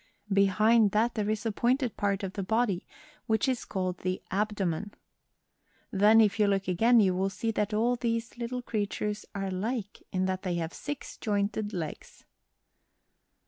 Behind that there is a pointed part of the body, which is called the abdomen. Then, if you look again, you will see that all these little creatures are alike in that they have six jointed legs."